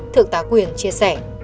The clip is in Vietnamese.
thượng tá quyền chia sẻ